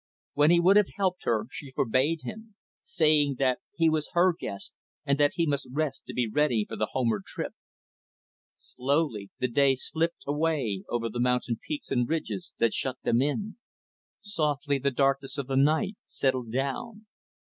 When he would have helped her she forbade him; saying that he was her guest and that he must rest to be ready for the homeward trip. Softly, the day slipped away over the mountain peaks and ridges that shut them in. Softly, the darkness of the night settled down.